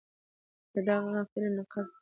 په غه فلم د نقادانو د اعتراض په نتيجه کښې